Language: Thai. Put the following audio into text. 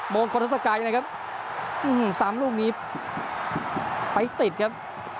โบนคอร์โธอสกายนะครับนึงหนึ่งสามลูกนี้ติดครับ